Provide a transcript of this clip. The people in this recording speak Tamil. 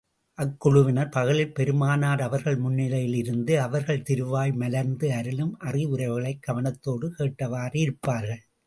அக்குழுவினர், பகலில் பெருமானார் அவர்கள் முன்னிலையில் இருந்து, அவர்கள் திருவாய் மலர்ந்து அருளும் அறிவுரைகளைக் கவனத்தோடு கேட்டவாறு இருப்பார்கள்.